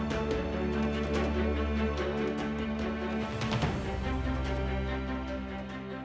hẹn gặp lại